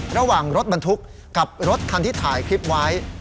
ระหว่างรถบรรทุกกับรถคันที่ถ่ายคลิปไว้